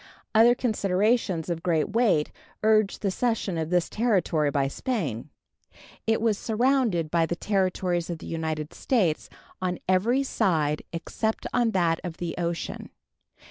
Other considerations of great weight urged the cession of this territory by Spain. It was surrounded by the Territories of the United States on every side except on that of the ocean.